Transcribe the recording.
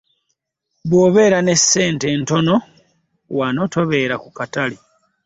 Bwobeera n'essente entono wano tobeera ku katala .